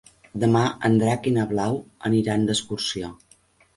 Demà en Drac i na Blau aniran d'excursió.